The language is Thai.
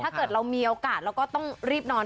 ถ้าเกิดเรามีโอกาสเราก็ต้องรีบนอน